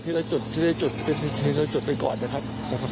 ละจุดทีละจุดทีละจุดไปก่อนนะครับนะครับ